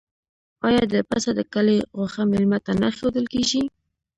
آیا د پسه د کلي غوښه میلمه ته نه ایښودل کیږي؟